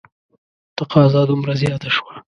تقاضا دومره زیاته شوه.